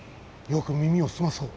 よく耳をすまそう。